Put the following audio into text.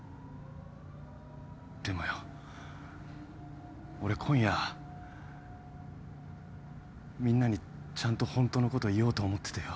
でもよ俺今夜みんなにちゃんとホントのこと言おうと思っててよ。